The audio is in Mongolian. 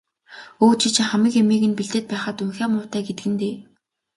Өө, чи чинь хамаг юмыг нь бэлдээд байхад унхиа муутай гэдэг нь дээ.